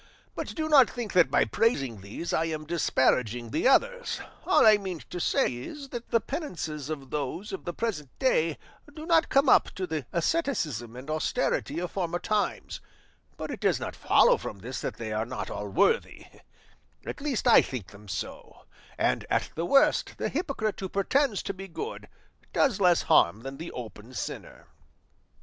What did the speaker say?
But do not think that by praising these I am disparaging the others; all I mean to say is that the penances of those of the present day do not come up to the asceticism and austerity of former times; but it does not follow from this that they are not all worthy; at least I think them so; and at the worst the hypocrite who pretends to be good does less harm than the open sinner."